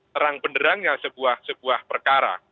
terang penderangnya sebuah perkara